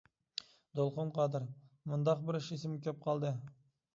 دولقۇن قادىر: مۇنداق بىر ئىش ئېسىمگە كېلىپ قالدى.